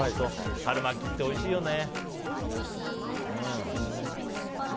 春巻きっておいしいよね。